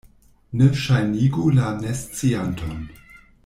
Ne ŝajnigu la nescianton.